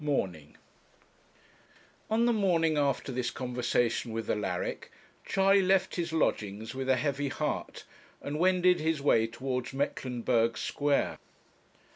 MORNING On the morning after this conversation with Alaric, Charley left his lodgings with a heavy heart, and wended his way towards Mecklenburg Square.